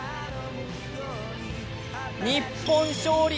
日本勝利！